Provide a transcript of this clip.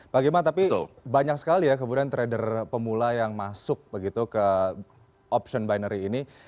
bagaimana tapi banyak sekali ya kemudian trader pemula yang masuk begitu ke option binary ini